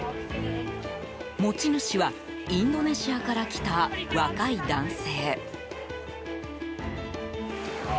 持ち主はインドネシアから来た若い男性。